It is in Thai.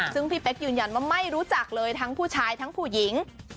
ซึ่งพี่เป๊กยืนยันว่าไม่รู้จักเลยทั้งผู้ชายทั้งผู้หญิง